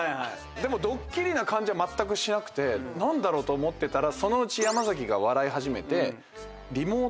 でもドッキリな感じはまったくしなくて何だろうと思ってたらそのうち山崎が笑い始めて。